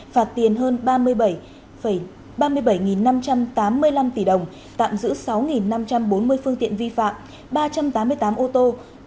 phạt tiền hơn ba mươi bảy ba mươi bảy năm trăm tám mươi năm tỷ đồng tạm giữ sáu năm trăm bốn mươi phương tiện vi phạm ba trăm tám mươi tám ô tô